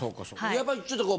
やっぱりちょっとこう。